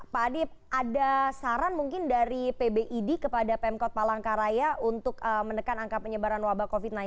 pak adib ada saran mungkin dari pbid kepada pemkot palangkaraya untuk menekan angka penyebaran wabah covid sembilan belas